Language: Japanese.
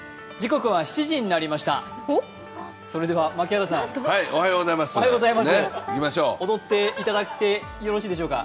それでは槙原さん、踊っていただいてもよろしいでしょうか。